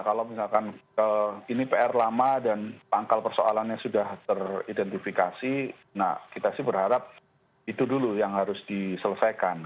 kalau misalkan ini pr lama dan pangkal persoalannya sudah teridentifikasi nah kita sih berharap itu dulu yang harus diselesaikan